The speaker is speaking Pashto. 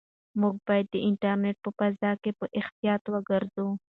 موږ باید د انټرنيټ په فضا کې په احتیاط وګرځو.